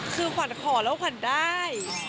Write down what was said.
คือขวัญขอแล้วขวัญได้